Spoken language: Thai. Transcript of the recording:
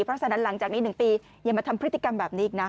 เพราะฉะนั้นหลังจากนี้๑ปีอย่ามาทำพฤติกรรมแบบนี้อีกนะ